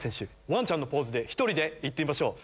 ワンちゃんのポーズで言ってみましょう。